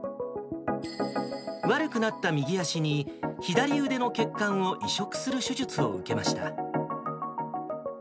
悪くなった右足に、左腕の血管を移植する手術を受けました。